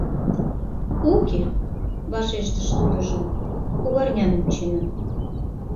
— Уке, — вашештыш тудыжо, — кугарнян вучена.